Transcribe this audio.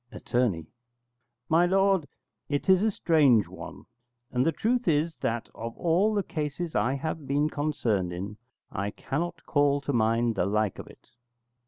Att. My lord, it is a strange one, and the truth is that, of all the cases I have been concerned in, I cannot call to mind the like of it.